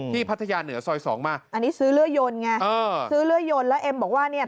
ที่พัทยาเหนือสอย๒มาอันนี้ซื้อเรือโยนนะซื้อเรือโยนแล้วเองบอกว่าเนี่ย